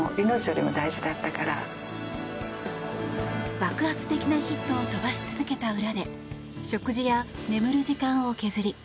爆発的なヒットを飛ばし続けた裏で食事や眠る時間を削り